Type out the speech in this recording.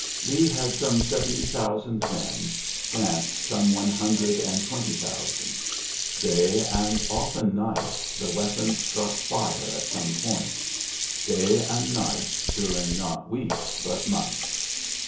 Lee had some seventy thousand men : Grant^ some one hundred and twenty thousand. Day^ and often night, the weapons struck fire at some point ; day and nighty during not weeks, but months.